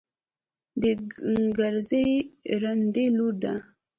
د کرزي رنډۍ لور ده.